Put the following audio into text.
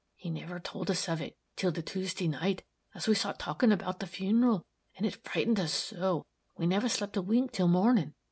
He niver told us of it, till the Tuesday night, as we sot talking about the funeral, and it frightened us so, we niver slept a wink till morning.